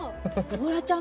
「ゴラちゃん」？